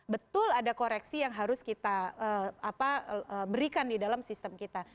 betul ada koreksi yang harus kita berikan di dalam sistem kita